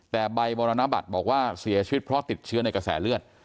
แต่ใบมรณบัตรบอกว่าเสียชีวิตเพราะติดเชื้อในกระแสเลือด